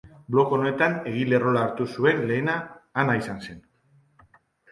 Blog honetan egile rola hartu zuen lehena Ana izan zen.